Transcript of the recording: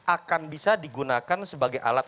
akan bisa digunakan sebagai alat